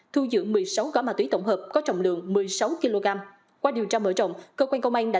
thu giữ một mươi sáu gói ma túy tổng hợp có trọng lượng một mươi sáu kg qua điều tra mở rộng cơ quan công an đã